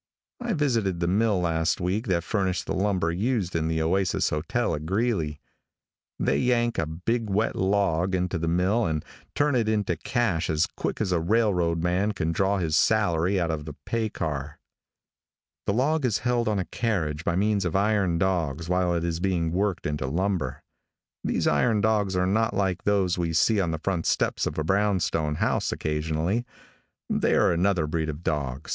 I visited the mill last week that furnished the lumber used in the Oasis hotel at Greeley. They yank a big wet log into that mill and turn it into cash as quick as a railroad man can draw his salary out of the pay car. The log is held on a carriage by means of iron dogs while it is being worked into lumber. These iron dogs are not like those we see on the front steps of a brown stone house occasionally. They are another breed of dogs.